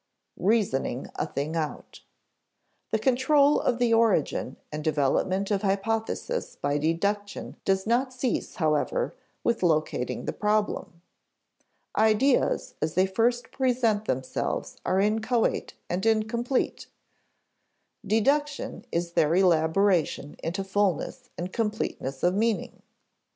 [Sidenote: "Reasoning a thing out"] The control of the origin and development of hypotheses by deduction does not cease, however, with locating the problem. Ideas as they first present themselves are inchoate and incomplete. Deduction is their elaboration into fullness and completeness of meaning (see p. 76).